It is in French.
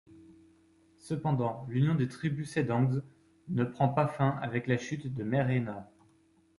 Cependant, l'union des tribus Sedangs ne prend pas fin avec la chute de Mayrena.